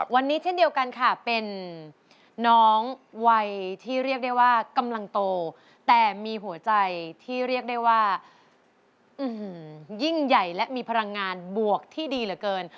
วันนี้เช่นเดียวกันค่ะเป็นน้องวัยที่เรียกได้ว่ากำลังโตแต่มีหัวใจที่เรียกได้ว่ายิ่งใหญ่และมีพลังงานบวกที่ดีเหลือเกิน